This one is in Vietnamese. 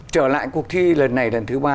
trở lại cuộc thi lần này lần thứ ba